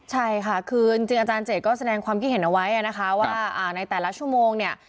ใช่ค่ะคือจริงอาจารย์เจดก็แสดงความคิดเห็นเอาไว้นะคะว่าในแต่ละชั่วโมงเนี่ย